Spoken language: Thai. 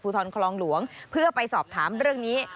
ทรคลองหลวงเพื่อไปสอบถามเรื่องนี้